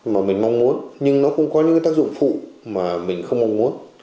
mà mình mong muốn nhưng nó cũng có những tác dụng phụ mà mình không mong muốn